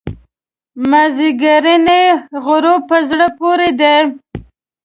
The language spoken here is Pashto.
مازیګرنی غروب په زړه پورې دی.